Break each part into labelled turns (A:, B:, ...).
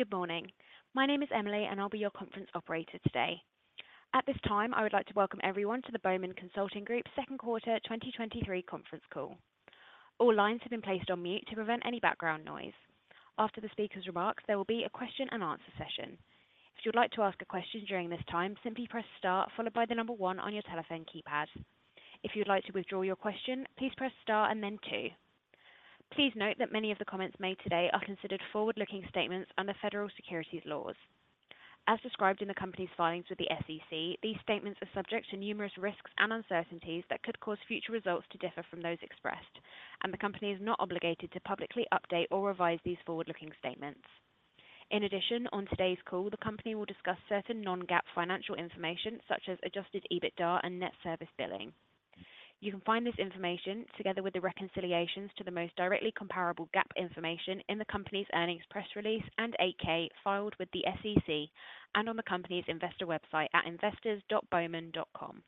A: Good morning. My name is Emily, and I'll be your conference operator today. At this time, I would like to welcome everyone to the Bowman Consulting Group Second Quarter 2023 conference call. All lines have been placed on mute to prevent any background noise. After the speaker's remarks, there will be a question and answer session. If you'd like to ask a question during this time, simply press star followed by the one on your telephone keypad. If you'd like to withdraw your question, please press star and then two. Please note that many of the comments made today are considered forward-looking statements under federal securities laws. As described in the company's filings with the SEC, these statements are subject to numerous risks and uncertainties that could cause future results to differ from those expressed, and the company is not obligated to publicly update or revise these forward-looking statements. In addition, on today's call, the company will discuss certain non-GAAP financial information, such as Adjusted EBITDA and Net Service Billing. You can find this information, together with the reconciliations to the most directly comparable GAAP information in the company's earnings press release and 8-K filed with the SEC and on the company's investor website at investors.bowman.com.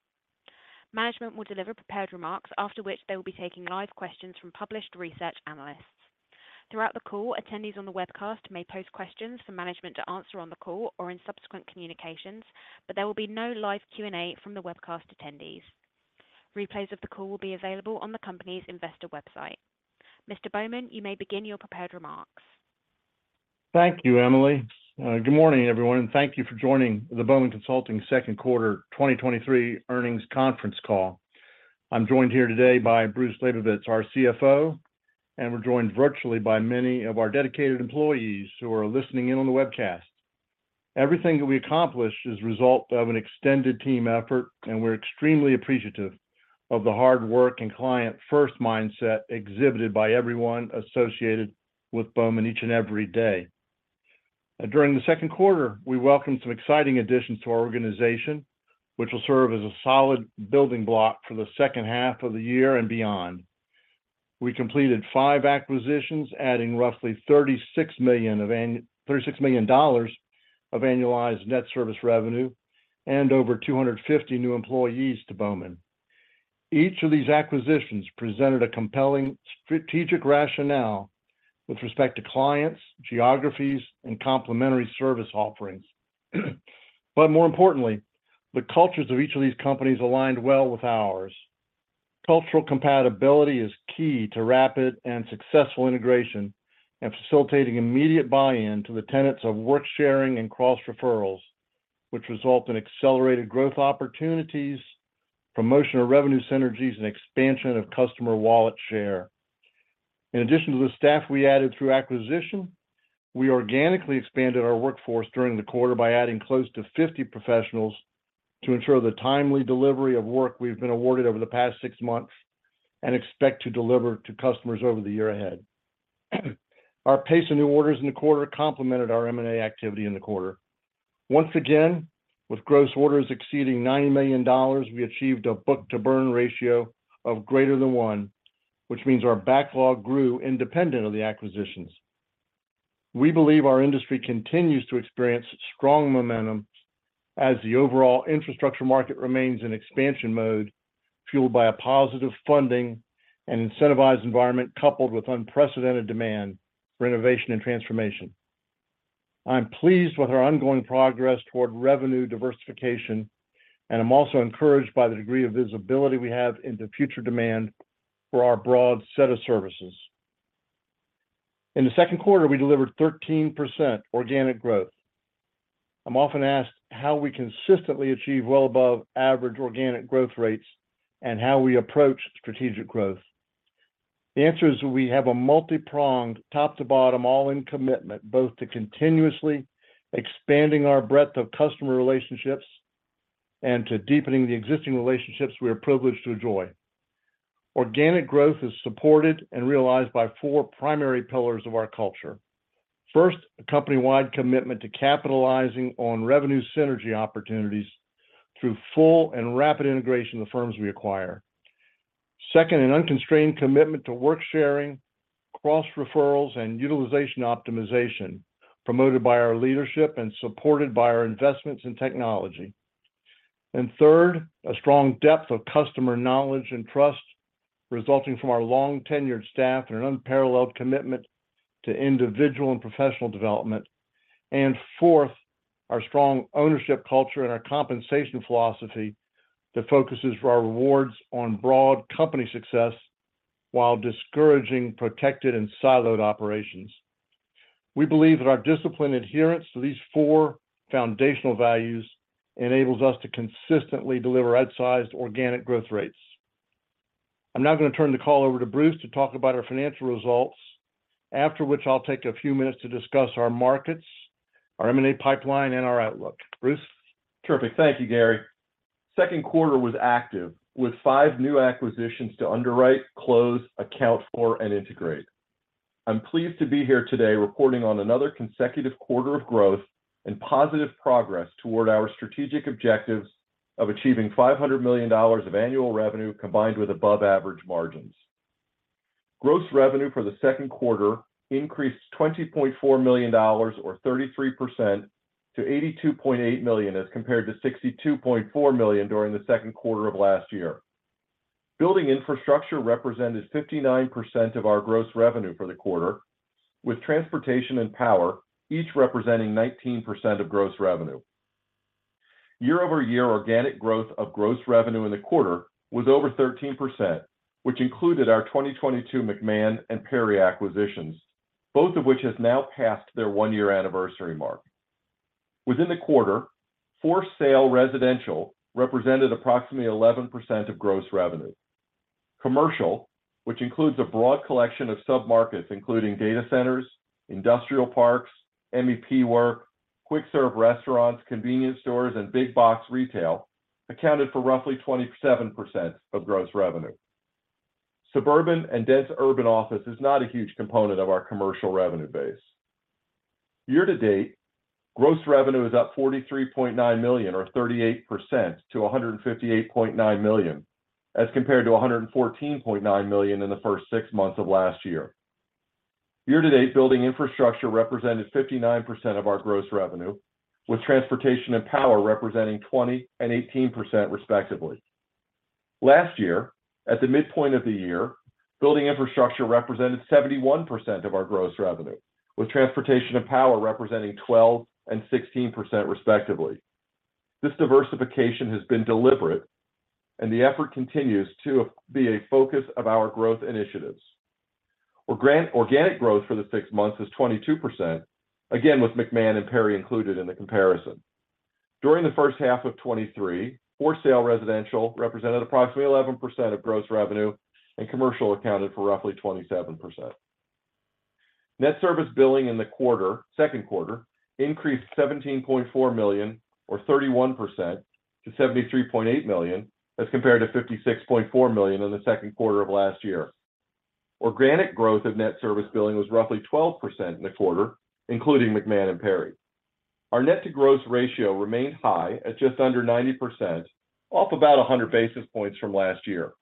A: Management will deliver prepared remarks, after which they will be taking live questions from published research analysts. Throughout the call, attendees on the webcast may post questions for management to answer on the call or in subsequent communications, but there will be no live Q&A from the webcast attendees. Replays of the call will be available on the company's investor website. Mr. Bowman, you may begin your prepared remarks.
B: Thank you, Emily. Good morning, everyone, and thank you for joining the Bowman Consulting second quarter 2023 earnings conference call. I'm joined here today by Bruce Labovitz, our CFO, and we're joined virtually by many of our dedicated employees who are listening in on the webcast. Everything that we accomplish is a result of an extended team effort, and we're extremely appreciative of the hard work and client-first mindset exhibited by everyone associated with Bowman each and every day. During the second quarter, we welcomed some exciting additions to our organization, which will serve as a solid building block for the second half of the year and beyond. We completed five acquisitions, adding roughly $36 million of annualized net service revenue and over 250 new employees to Bowman. Each of these acquisitions presented a compelling strategic rationale with respect to clients, geographies, and complementary service offerings. More importantly, the cultures of each of these companies aligned well with ours. Cultural compatibility is key to rapid and successful integration and facilitating immediate buy-in to the tenets of work sharing and cross referrals, which result in accelerated growth opportunities, promotional revenue synergies, and expansion of customer wallet share. In addition to the staff we added through acquisition, we organically expanded our workforce during the quarter by adding close to 50 professionals to ensure the timely delivery of work we've been awarded over the past 6 months and expect to deliver to customers over the year ahead. Our pace of new orders in the quarter complemented our M&A activity in the quarter. Once again, with gross orders exceeding $90 million, we achieved a book-to-burn ratio of greater than 1, which means our backlog grew independent of the acquisitions. We believe our industry continues to experience strong momentum as the overall infrastructure market remains in expansion mode, fueled by a positive funding and incentivized environment, coupled with unprecedented demand for innovation and transformation. I'm pleased with our ongoing progress toward revenue diversification, and I'm also encouraged by the degree of visibility we have into future demand for our broad set of services. In the second quarter, we delivered 13% organic growth. I'm often asked how we consistently achieve well above average organic growth rates and how we approach strategic growth. The answer is we have a multi-pronged, top-to-bottom, all-in commitment, both to continuously expanding our breadth of customer relationships and to deepening the existing relationships we are privileged to enjoy. Organic growth is supported and realized by four primary pillars of our culture. First, a company-wide commitment to capitalizing on revenue synergy opportunities through full and rapid integration of the firms we acquire. Second, an unconstrained commitment to work sharing, cross referrals, and utilization optimization, promoted by our leadership and supported by our investments in technology. Third, a strong depth of customer knowledge and trust resulting from our long-tenured staff and an unparalleled commitment to individual and professional development. Fourth, our strong ownership culture and our compensation philosophy that focuses our rewards on broad company success while discouraging protected and siloed operations. We believe that our disciplined adherence to these four foundational values enables us to consistently deliver outsized organic growth rates. I'm now going to turn the call over to Bruce to talk about our financial results, after which I'll take a few minutes to discuss our markets, our M&A pipeline, and our outlook. Bruce?
C: Terrific. Thank you, Gary. Second quarter was active, with five new acquisitions to underwrite, close, account for, and integrate. I'm pleased to be here today reporting on another consecutive quarter of growth and positive progress toward our strategic objectives of achieving $500 million of annual revenue, combined with above average margins. Gross revenue for the second quarter increased $20.4 million or 33%- $82.8 million, as compared to $62.4 million during the second quarter of last year. Building infrastructure represented 59% of our gross revenue for the quarter, with transportation and power each representing 19% of gross revenue. Year-over-year organic growth of gross revenue in the quarter was over 13%, which included our 2022 McMahon and Perry acquisitions, both of which has now passed their one-year anniversary mark. Within the quarter, for-sale residential represented approximately 11% of gross revenue. Commercial, which includes a broad collection of submarkets, including data centers, industrial parks, MEP work, quick-serve restaurants, convenience stores, and big-box retail, accounted for roughly 27% of gross revenue. Suburban and dense urban office is not a huge component of our commercial revenue base. Year to date, gross revenue is up $43.9 million or 38%- $158.9 million, as compared to $114.9 million in the first six months of last year. Year to date, building infrastructure represented 59% of our gross revenue, with transportation and power representing 20% and 18% respectively. Last year, at the midpoint of the year, building infrastructure represented 71% of our gross revenue, with transportation and power representing 12% and 16% respectively. This diversification has been deliberate, and the effort continues to be a focus of our growth initiatives. Organic growth for the six months is 22%, again, with McMahon and Perry included in the comparison. During the first half of 2023, for-sale residential represented approximately 11% of gross revenue, and commercial accounted for roughly 27%. Net Service Billing in the quarter, second quarter, increased $17.4 million or 31% -$73.8 million, as compared to $56.4 million in the second quarter of last year. organic growth of Net Service Billing was roughly 12% in the quarter, including McMahon and Perry. Our net-to-gross ratio remained high at just under 90%, up about 100 basis points from last year.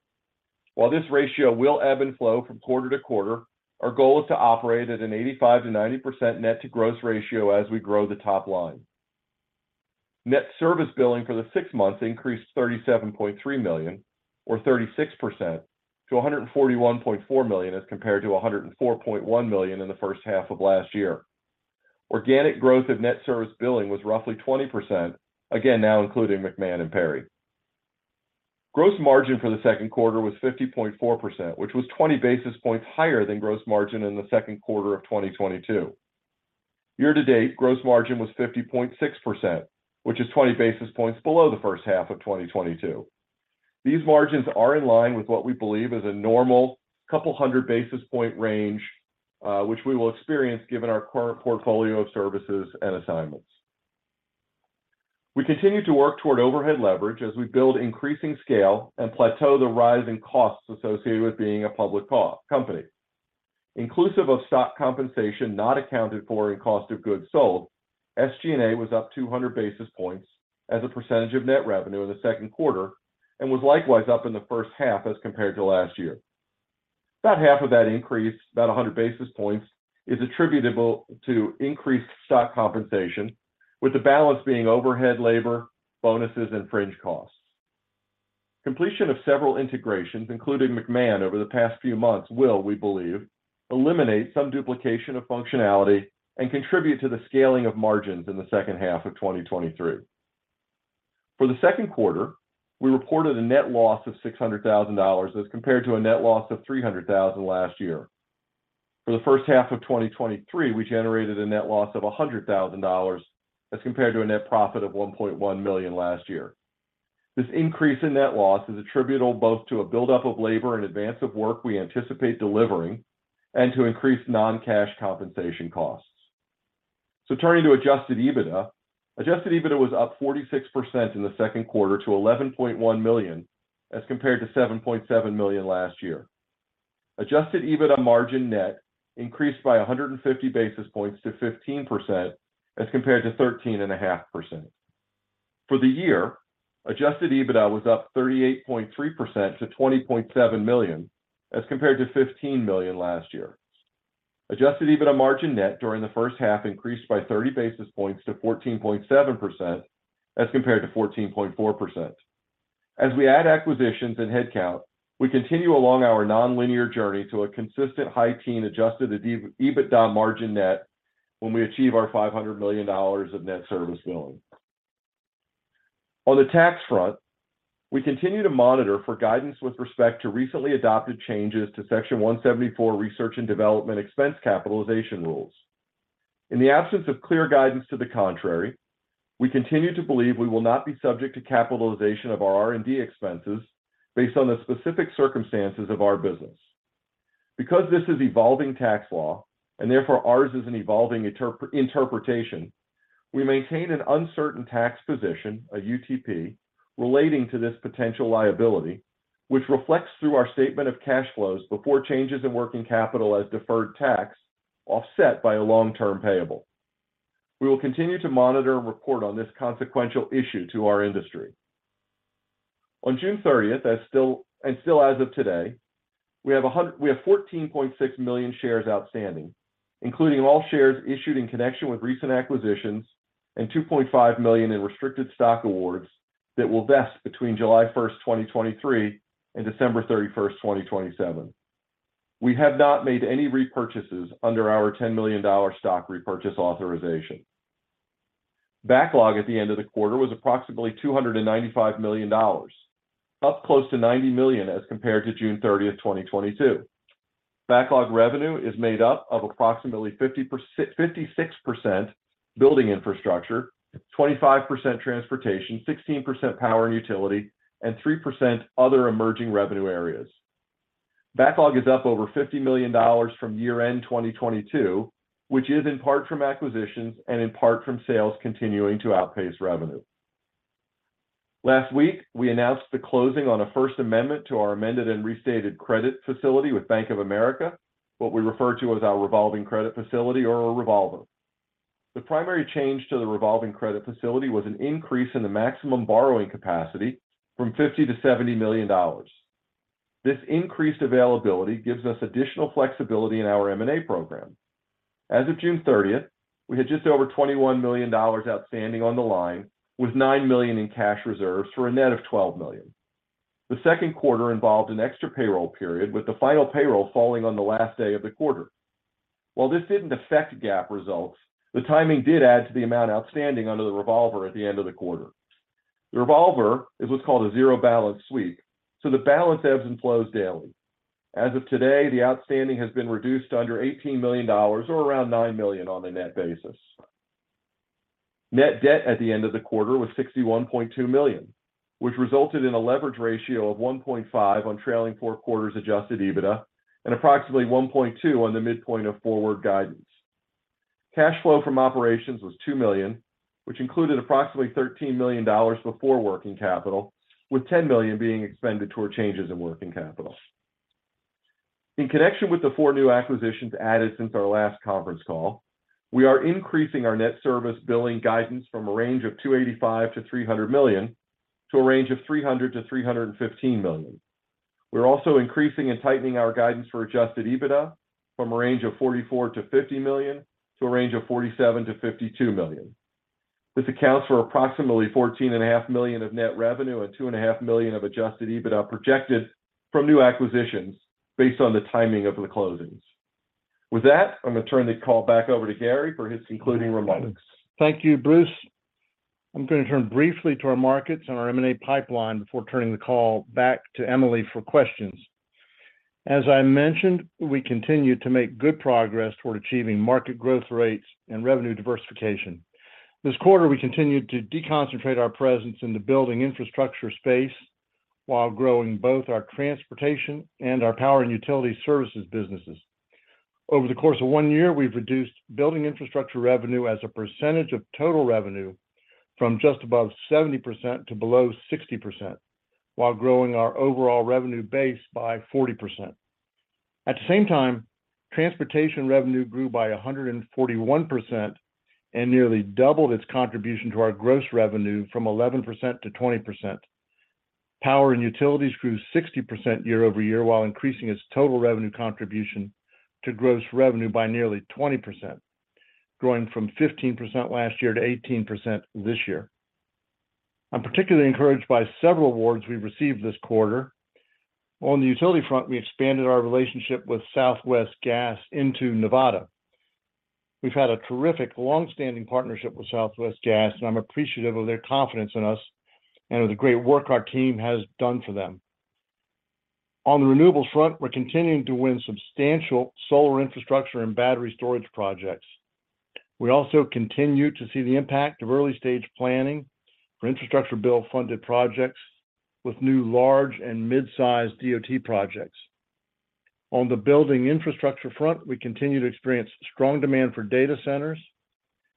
C: While this ratio will ebb and flow from quarter to quarter, our goal is to operate at an 85%-90% net-to-gross ratio as we grow the top line. Net Service Billing for the six months increased $37.3 million or 36%- $141.4 million, as compared to $104.1 million in the first half of last year. Organic growth of Net Service Billing was roughly 20%, again, now including McMahon and Perry. Gross margin for the second quarter was 50.4%, which was 20 basis points higher than gross margin in the second quarter of 2022. Year to date, gross margin was 50.6%, which is 20 basis points below the first half of 2022. These margins are in line with what we believe is a normal couple hundred basis point range, which we will experience given our current portfolio of services and assignments. We continue to work toward overhead leverage as we build increasing scale and plateau the rise in costs associated with being a public company. Inclusive of stock compensation not accounted for in cost of goods sold, SG&A was up 200 basis points as a percentage of net revenue in the second quarter and was likewise up in the first half as compared to last year. About half of that increase, about 100 basis points, is attributable to increased stock compensation, with the balance being overhead labor, bonuses, and fringe costs. Completion of several integrations, including McMahon, over the past few months, will, we believe, eliminate some duplication of functionality and contribute to the scaling of margins in the second half of 2023. For the second quarter, we reported a net loss of $600,000 as compared to a net loss of $300,000 last year. For the first half of 2023, we generated a net loss of $100,000 as compared to a net profit of $1.1 million last year. This increase in net loss is attributable both to a buildup of labor in advance of work we anticipate delivering and to increased non-cash compensation costs. Turning to Adjusted EBITDA. Adjusted EBITDA was up 46% in the second quarter to $11.1 million, as compared to $7.7 million last year. Adjusted EBITDA margin net increased by 150 basis points to 15%, as compared to 13.5%. For the year, Adjusted EBITDA was up 38.3%- $20.7 million, as compared to $15 million last year. Adjusted EBITDA margin net during the first half increased by 30 basis points to 14.7%, as compared to 14.4%. As we add acquisitions and headcount, we continue along our nonlinear journey to a consistent high teen Adjusted EBITDA margin net when we achieve our $500 million of Net Service Billing. On the tax front, we continue to monitor for guidance with respect to recently adopted changes to Section 174 Research and Development Expense Capitalization rules. In the absence of clear guidance to the contrary, we continue to believe we will not be subject to capitalization of our R&D expenses based on the specific circumstances of our business. Because this is evolving tax law, and therefore ours is an evolving interpretation, we maintain an uncertain tax position, a UTP, relating to this potential liability, which reflects through our statement of cash flows before changes in working capital as deferred tax, offset by a long-term payable. We will continue to monitor and report on this consequential issue to our industry. On 30th, June and still as of today, we have 14.6 million shares outstanding, including all shares issued in connection with recent acquisitions and 2.5 million in restricted stock awards that will vest between 1st, July 2023 and 31st, December 2027. We have not made any repurchases under our $10 million stock repurchase authorization. Backlog at the end of the quarter was approximately $295 million, up close to $90 million as compared to June 30, 2022. Backlog revenue is made up of approximately 56% building infrastructure, 25% transportation, 16% power and utility, and 3% other emerging revenue areas. Backlog is up over $50 million from year-end 2022, which is in part from acquisitions and in part from sales continuing to outpace revenue. Last week, we announced the closing on a first amendment to our amended and restated credit facility with Bank of America, what we refer to as our revolving credit facility or our revolver. The primary change to the revolving credit facility was an increase in the maximum borrowing capacity from $50 million-$70 million. This increased availability gives us additional flexibility in our M&A program. As of 30th, June we had just over $21 million outstanding on the line, with $9 million in cash reserves for a net of $12 million. The second quarter involved an extra payroll period, with the final payroll falling on the last day of the quarter. While this didn't affect GAAP results, the timing did add to the amount outstanding under the revolver at the end of the quarter. The revolver is what's called a zero-balance sweep, so the balance ebbs and flows daily. As of today, the outstanding has been reduced to under $18 million, or around $9 million on a net basis. Net debt at the end of the quarter was $61.2 million, which resulted in a leverage ratio of 1.5 on trailing four quarters Adjusted EBITDA, and approximately 1.2 on the midpoint of forward guidance. Cash flow from operations was $2 million, which included approximately $13 million before working capital, with $10 million being expended toward changes in working capital. In connection with the four new acquisitions added since our last conference call, we are increasing our Net Service Billing guidance from a range of $285 million-$300 million, to a range of $300 million-$315 million. We're also increasing and tightening our guidance for Adjusted EBITDA from a range of $44 million-$50 million to a range of $47 million-$52 million. This accounts for approximately $14.5 million of net revenue and $2.5 million of Adjusted EBITDA projected from new acquisitions based on the timing of the closings. With that, I'm going to turn the call back over to Gary for his concluding remarks.
B: Thank you, Bruce. I'm going to turn briefly to our markets and our M&A pipeline before turning the call back to Emily for questions. As I mentioned, we continue to make good progress toward achieving market growth rates and revenue diversification. This quarter, we continued to deconcentrate our presence in the building infrastructure space while growing both our transportation and our power and utility services businesses. Over the course of 1 year, we've reduced building infrastructure revenue as a percentage of total revenue from just above 70% to below 60%, while growing our overall revenue base by 40%. At the same time, transportation revenue grew by 141% and nearly doubled its contribution to our gross revenue from 11% - 20%. Power and utilities grew 60% year-over-year, while increasing its total revenue contribution to gross revenue by nearly 20%, growing from 15% last year to 18% this year. I'm particularly encouraged by several awards we've received this quarter. On the utility front, we expanded our relationship with Southwest Gas into Nevada. We've had a terrific long-standing partnership with Southwest Gas, and I'm appreciative of their confidence in us and of the great work our team has done for them. On the renewables front, we're continuing to win substantial solar infrastructure and battery storage projects. We also continue to see the impact of early-stage planning for infrastructure bill-funded projects with new large and mid-sized DOT projects. On the building infrastructure front, we continue to experience strong demand for data centers,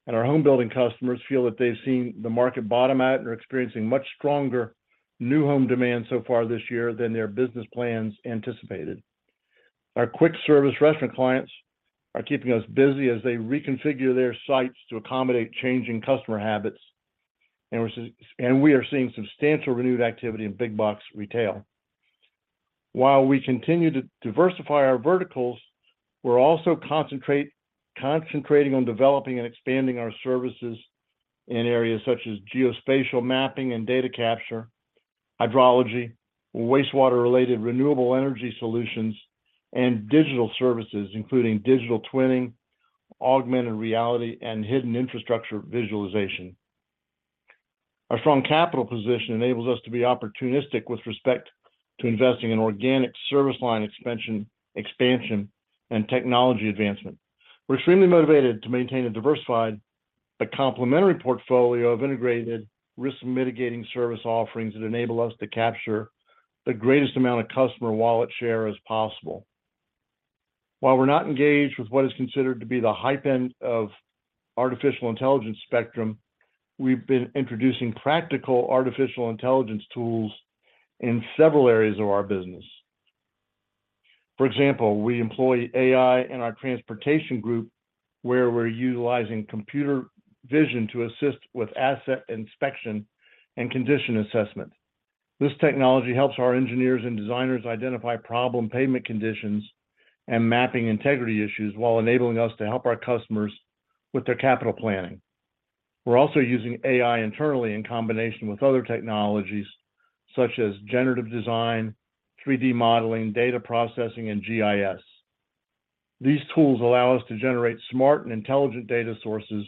B: and our home building customers feel that they've seen the market bottom out and are experiencing much stronger new home demand so far this year than their business plans anticipated. Our quick service restaurant clients are keeping us busy as they reconfigure their sites to accommodate changing customer habits, and we are seeing substantial renewed activity in big box retail. While we continue to diversify our verticals, we're also concentrating on developing and expanding our services in areas such as geospatial mapping and data capture, hydrology, wastewater-related renewable energy solutions, and digital services, including digital twinning, augmented reality, and hidden infrastructure visualization. Our strong capital position enables us to be opportunistic with respect to investing in organic service line expansion, expansion, and technology advancement. We're extremely motivated to maintain a diversified but complementary portfolio of integrated risk-mitigating service offerings that enable us to capture the greatest amount of customer wallet share as possible. While we're not engaged with what is considered to be the high end of artificial intelligence spectrum, we've been introducing practical artificial intelligence tools in several areas of our business. For example, we employ AI in our transportation group, where we're utilizing computer vision to assist with asset inspection and condition assessment. This technology helps our engineers and designers identify problem pavement conditions and mapping integrity issues, while enabling us to help our customers with their capital planning. We're also using AI internally in combination with other technologies, such as generative design, 3D modeling, data processing, and GIS. These tools allow us to generate smart and intelligent data sources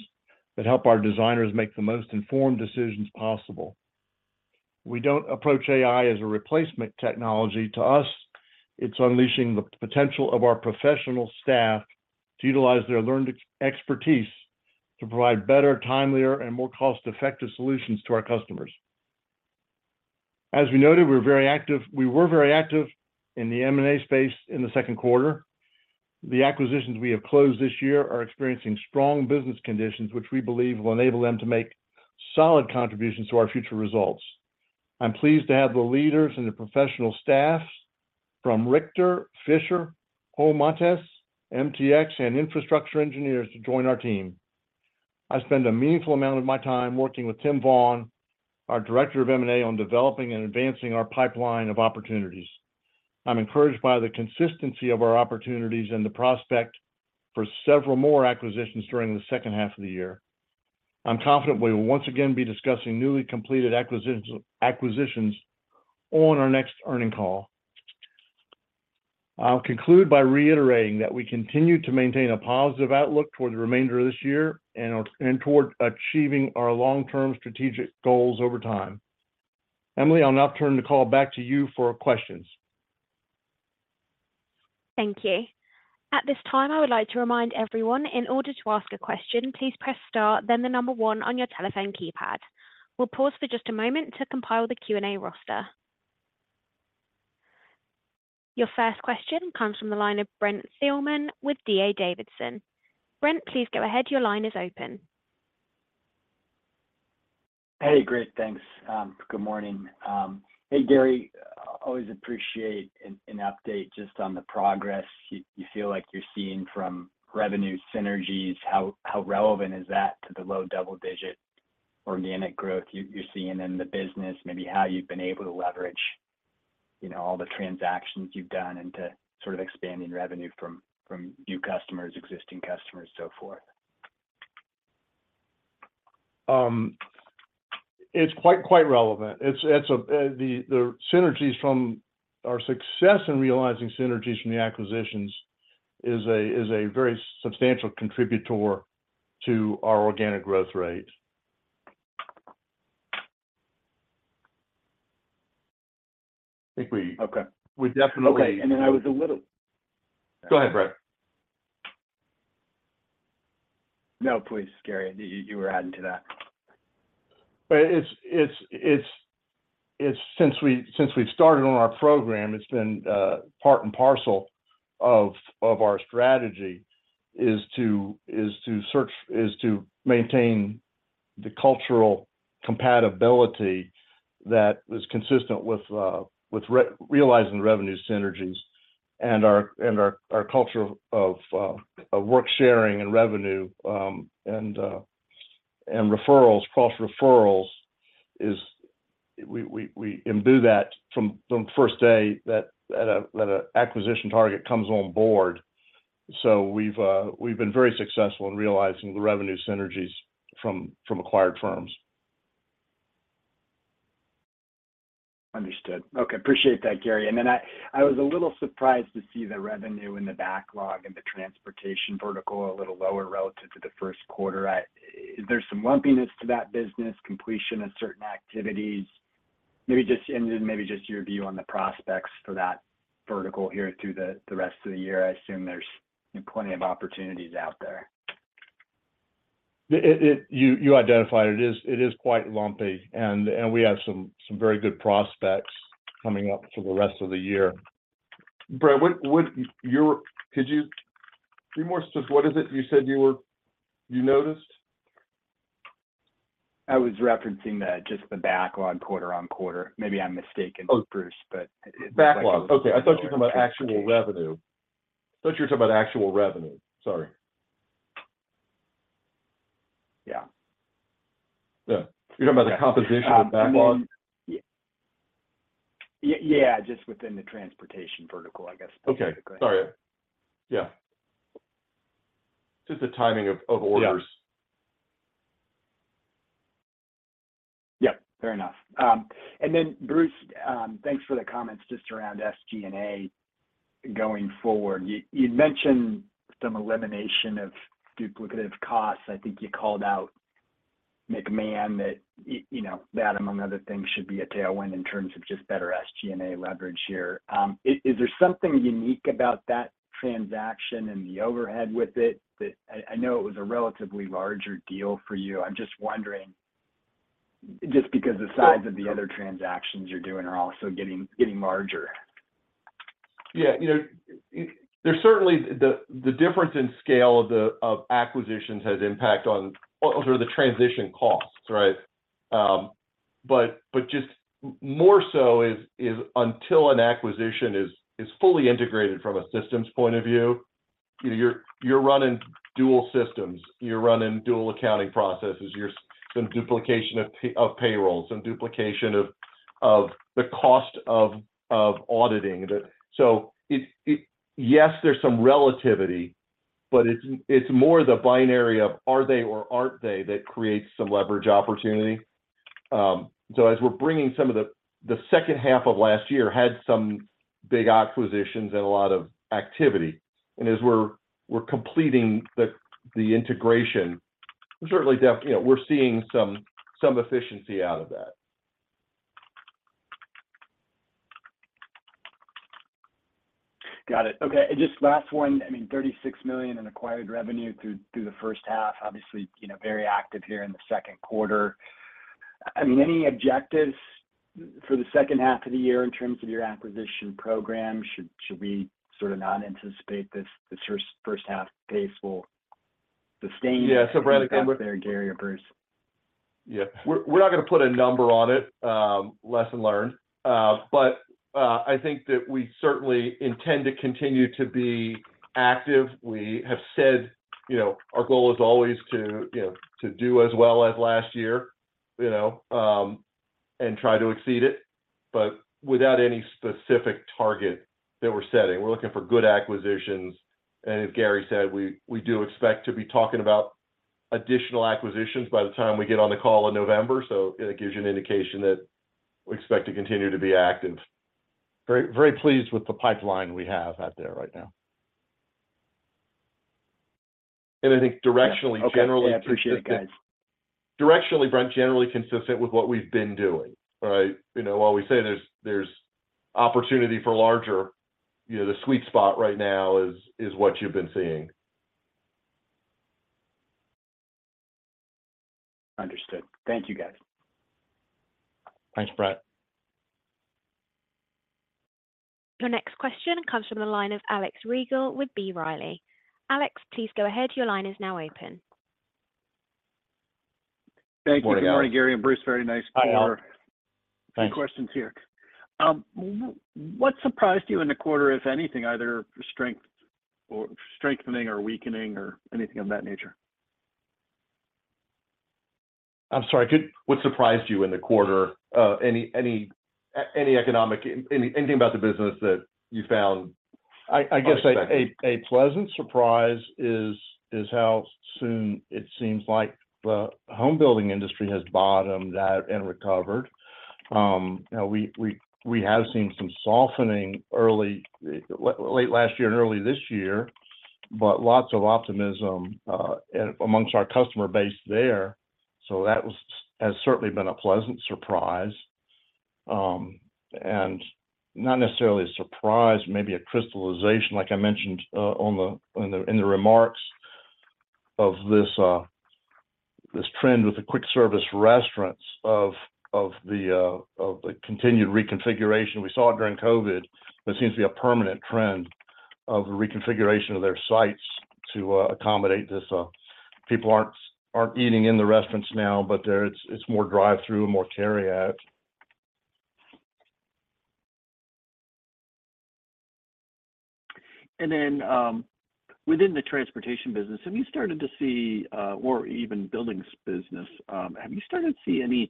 B: that help our designers make the most informed decisions possible. We don't approach AI as a replacement technology. To us, it's unleashing the potential of our professional staff to utilize their learned expertise to provide better, timelier, and more cost-effective solutions to our customers. As we noted, we were very active in the M&A space in the second quarter. The acquisitions we have closed this year are experiencing strong business conditions, which we believe will enable them to make solid contributions to our future results. I'm pleased to have the leaders and the professional staff from Richter, Fisher, Hole Montes, MTX, and Infrastructure Engineers to join our team. I spend a meaningful amount of my time working with Tim Vaughn, our Director of M&A, on developing and advancing our pipeline of opportunities. I'm encouraged by the consistency of our opportunities and the prospect for several more acquisitions during the second half of the year. I'm confident we will once again be discussing newly completed acquisitions, acquisitions on our next earning call. I'll conclude by reiterating that we continue to maintain a positive outlook toward the remainder of this year and toward achieving our long-term strategic goals over time. Emily, I'll now turn the call back to you for questions.
A: Thank you. At this time, I would like to remind everyone, in order to ask a question, please press star, then the number one on your telephone keypad. We'll pause for just a moment to compile the Q&A roster. Your first question comes from the line of Brent Thielman with D.A. Davidson. Brent, please go ahead. Your line is open.
D: Hey, great. Thanks. Good morning. Hey, Gary, always appreciate an, an update just on the progress you, you feel like you're seeing from revenue synergies. How, how relevant is that to the low double-digit organic growth you, you're seeing in the business? Maybe how you've been able to leverage, you know, all the transactions you've done into sort of expanding revenue from, from new customers, existing customers, so forth?
B: It's quite, quite relevant. It's, it's a, the, the synergies from our success in realizing synergies from the acquisitions is a, is a very substantial contributor to our organic growth rate. I think we.
D: Okay.
B: We definitely.
D: Okay. Then I was a little-
B: Go ahead, Brent.
D: No, please, Gary, you, you were adding to that.
B: It's since we, since we've started on our program, it's been part and parcel of our strategy, is to maintain the cultural compatibility that is consistent with realizing revenue synergies and our culture of work sharing and revenue, and referrals, cross referrals, is we imbue that from first day that an acquisition target comes on board. We've been very successful in realizing the revenue synergies from acquired firms.
D: Understood. Okay. Appreciate that, Gary. I, I was a little surprised to see the revenue in the backlog and the transportation vertical a little lower relative to the first quarter. I, there's some lumpiness to that business, completion of certain activities. Maybe just, maybe just your view on the prospects for that vertical here through the rest of the year. I assume there's plenty of opportunities out there?
B: You, you identified it. It is, it is quite lumpy, and, and we have some, some very good prospects coming up for the rest of the year. Brent, what, what you're could you be more specific? What is it you said you were you noticed?
D: I was referencing the, just the backlog quarter-over-quarter. Maybe I'm mistaken, Bruce. Oh but it's like-
B: Backlog. Okay. I thought you were talking about actual revenue. I thought you were talking about actual revenue. Sorry.
D: Yeah.
B: Yeah. You're talking about the composition of backlog?
D: Yeah. Yeah, just within the transportation vertical, I guess, specifically.
B: Okay. Sorry. Yeah. Just the timing of, of orders.
D: Yeah. Yeah, fair enough. And then, Bruce, thanks for the comments just around SG&A going forward. You, you'd mentioned some elimination of duplicative costs. I think you called out McMahon, that, you know, that among other things, should be a tailwind in terms of just better SG&A leverage here. Is there something unique about that transaction and the overhead with it, that I, I know it was a relatively larger deal for you. I'm just wondering, just because the size of the other transactions you're doing are also getting, getting larger. Yeah. You know, there's certainly the, the difference in scale of the, of acquisitions has impact on what are the transition costs, right? Just more so is until an acquisition is fully integrated from a systems point of view, you know, you're running dual systems. You're running dual accounting processes, some duplication of payrolls, some duplication of the cost of auditing that. It yes, there's some relativity, but it's more the binary of are they or aren't they, that creates some leverage opportunity. As we're bringing some of the second half of last year had some big acquisitions and a lot of activity, and as we're completing the integration, certainly, you know, we're seeing some efficiency out of that.
C: Got it. Okay, just last one, I mean, $36 million in acquired revenue through, through the first half. Obviously, you know, very active here in the second quarter. I mean, any objectives for the second half of the year in terms of your acquisition program? Should, should we sort of not anticipate this, this first, first half pace will sustain- Yeah, Brent.
D: Out there, Gary or Bruce?
C: Yeah. We're, we're not going to put a number on it, lesson learned. I think that we certainly intend to continue to be active. We have said, you know, our goal is always to, you know, to do as well as last year, you know, and try to exceed it, but without any specific target that we're setting. We're looking for good acquisitions, and as Gary said, we, we do expect to be talking about additional acquisitions by the time we get on the call in November. It gives you an indication that we expect to continue to be active.
B: Very, very pleased with the pipeline we have out there right now.
C: I think directionally, generally-
D: Okay, I appreciate it, guys.
C: Directionally, Brent, generally consistent with what we've been doing, right? You know, while we say there's, there's opportunity for larger, you know, the sweet spot right now is, is what you've been seeing.
D: Understood. Thank you, guys.
C: Thanks, Brent.
A: Your next question comes from the line of Alex Rygiel with B. Riley. Alex, please go ahead. Your line is now open.
E: Thank you.
C: Good morning, Alex.
E: Good morning, Gary and Bruce. Very nice to hear-
C: Hi, Alex. Thanks.
E: What surprised you in the quarter, if anything, either strength or strengthening or weakening or anything of that nature?
C: I'm sorry. What surprised you in the quarter? Any economic, anything about the business that you found?
B: I, guess a pleasant surprise is, is how soon it seems like the home building industry has bottomed out and recovered. You know, we, we, we have seen some softening early, late last year and early this year, but lots of optimism, and amongst our customer base there. That was, has certainly been a pleasant surprise. Not necessarily a surprise, maybe a crystallization, like I mentioned, on the, in the, in the remarks of this, this trend with the quick service restaurants of, of the, of the continued reconfiguration we saw during COVID. It seems to be a permanent trend of the reconfiguration of their sites to accommodate this. People aren't, aren't eating in the restaurants now, but they're, it's, it's more drive-through and more carryout.
E: Then, within the transportation business, have you started to see, or even buildings business, have you started to see any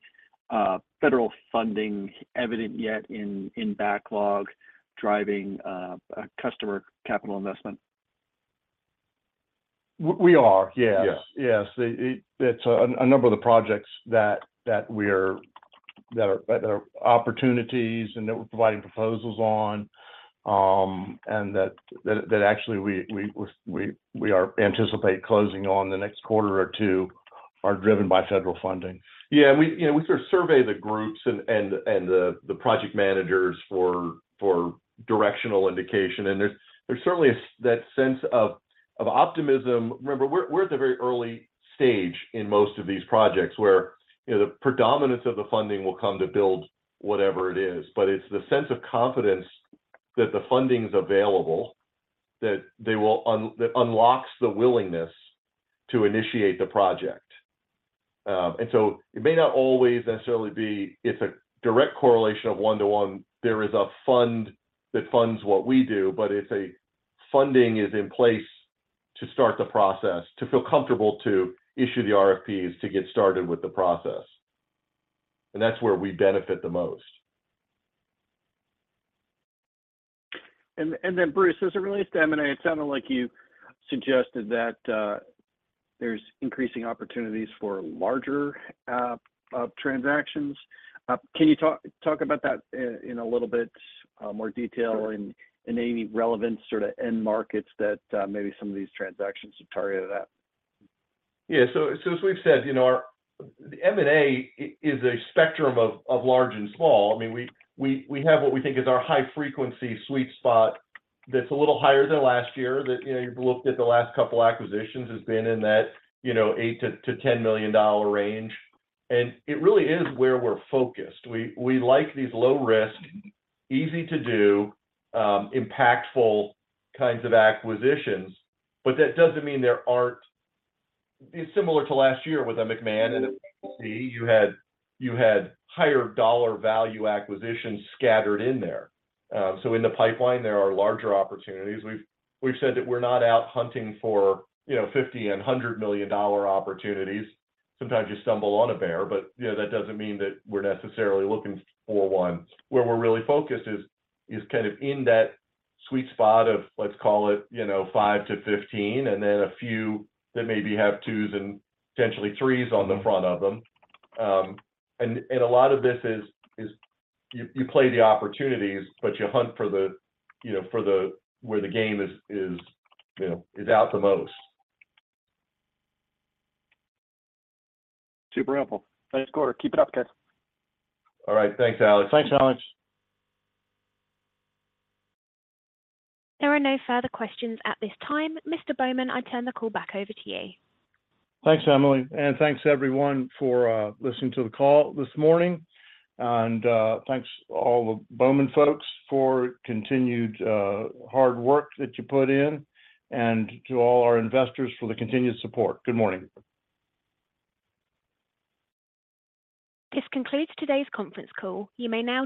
E: federal funding evident yet in, backlog driving, customer capital investment?
B: We are, yes.
C: Yes.
B: Yes. It, it, it's a, a number of the projects that, that we are, that are, that are opportunities and that we're providing proposals on, and that, that, that actually we are anticipate closing on the next quarter or two are driven by federal funding.
C: Yeah, we, you know, we sort of survey the groups and, and, and the, the project managers for, for directional indication, and there's, there's certainly as that sense of, of optimism. Remember, we're, we're at the very early stage in most of these projects where, you know, the predominance of the funding will come to build whatever it is, but it's the sense of confidence that the funding is available, that they will un- that unlocks the willingness to initiate the project. It may not always necessarily be, it's a direct correlation of one to one. There is a fund that funds what we do, but it's a funding is in place to start the process, to feel comfortable to issue the RFPs, to get started with the process, and that's where we benefit the most.
E: Then, Bruce, as it relates to M&A, it sounded like you suggested that, there's increasing opportunities for larger, transactions. Can you talk, about that in a little bit, more detail and, and any relevant sort of end markets that, maybe some of these transactions are targeted at?
C: Yeah, so as we've said, you know, our, the M&A is a spectrum of, of large and small. I mean, we, we, we have what we think is our high frequency sweet spot that's a little higher than last year. That, you know, you've looked at the last couple acquisitions has been in that, you know, $8 million-$10 million range, and it really is where we're focused. We, we like these low risk, easy to do, impactful kinds of acquisitions, but that doesn't mean there aren't. It's similar to last year with the McMahon, and as you can see, you had, you had higher dollar value acquisitions scattered in there. So in the pipeline, there are larger opportunities. We've, we've said that we're not out hunting for, you know, $50 million - $100 million opportunities. Sometimes you stumble on a bear, but, you know, that doesn't mean that we're necessarily looking for one. Where we're really focused is, is kind of in that sweet spot of, let's call it, you know, 5-15, and then a few that maybe have 2s and potentially 3s on the front of them. A lot of this is, is you, you play the opportunities, but you hunt for the, you know, for the, where the game is, is, you know, is out the most.
E: Super helpful. Nice quarter. Keep it up, guys.
C: All right. Thanks, Alex.
B: Thanks, Alex.
A: There are no further questions at this time. Gary Bowman, I turn the call back over to you.
B: Thanks, Emily, and thanks everyone for listening to the call this morning. Thanks to all the Bowman folks for continued hard work that you put in, and to all our investors for the continued support. Good morning.
A: This concludes today's conference call. You may now disconnect.